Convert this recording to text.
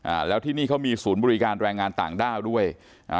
อ่าแล้วที่นี่เขามีศูนย์บริการแรงงานต่างด้าวด้วยอ่า